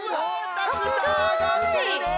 たくさんあがってるで。